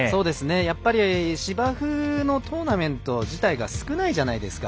やっぱり芝生のトーナメント自体が少ないじゃないですか。